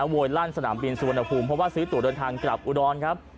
โวยลั่นสนามบินสุวรรณภูมิเพราะว่าซื้อตัวเดินทางกลับอุดรครับ